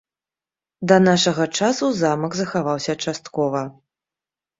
Да нашага часу замак захаваўся часткова.